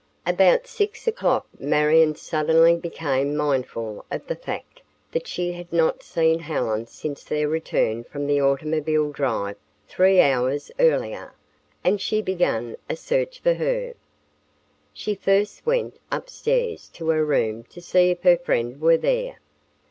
About six o'clock Marion suddenly became mindful of the fact that she had not seen Helen since their return from the automobile drive three hours earlier, and she began a search for her. She first went upstairs to her room to see if her friend were there.